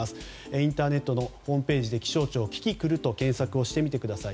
インターネットのホームページで気象庁、キキクルと検索してみてください。